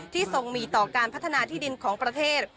ทรงมีต่อการพัฒนาที่ดินของประเทศ